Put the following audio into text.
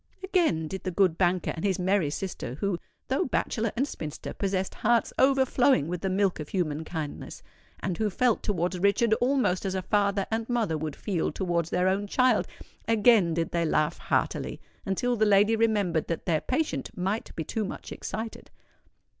Again did the good banker and his merry sister—who, though bachelor and spinster, possessed hearts overflowing with the milk of human kindness, and who felt towards Richard almost as a father and mother would feel towards their own child,—again did they laugh heartily; until the lady remembered that their patient might be too much excited.